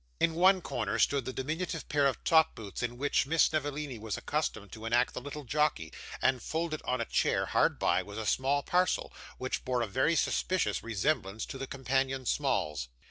In one corner stood the diminutive pair of top boots in which Miss Snevellicci was accustomed to enact the little jockey, and, folded on a chair hard by, was a small parcel, which bore a very suspicious resemblance to the companion smalls.